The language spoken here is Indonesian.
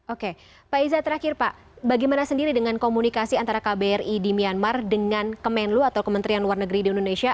oke pak iza terakhir pak bagaimana sendiri dengan komunikasi antara kbri di myanmar dengan kemenlu atau kementerian luar negeri di indonesia